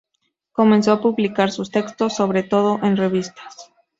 Comenzó a publicar sus textos, sobre todo en revistas.